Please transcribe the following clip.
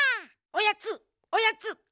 おやつおやつ！